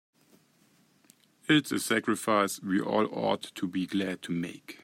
It's a sacrifice we all ought to be glad to make.